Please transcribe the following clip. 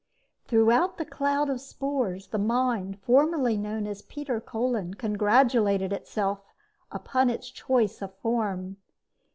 Throughout the cloud of spores, the mind formerly known as Peter Kolin congratulated itself upon its choice of form.